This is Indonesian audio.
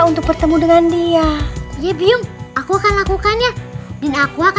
untuk bertemu dengan dia iya biong aku akan lakukannya dan aku akan minta sebuah perhatian